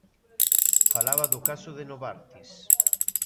Falaba do caso de Novartis.